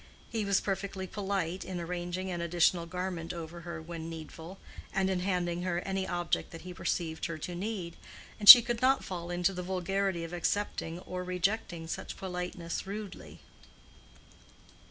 He was perfectly polite in arranging an additional garment over her when needful, and in handing her any object that he perceived her to need, and she could not fall into the vulgarity of accepting or rejecting such politeness rudely.